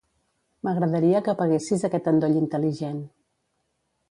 M'agradaria que apaguessis aquest endoll intel·ligent.